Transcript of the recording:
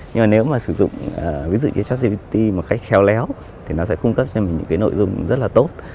nhưng mà nếu mà sử dụng ví dụ như chat gpt một cách khéo léo thì nó sẽ cung cấp cho mình những cái nội dung rất là tốt